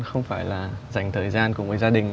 không phải là dành thời gian cùng với gia đình